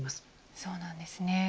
そうなんですね。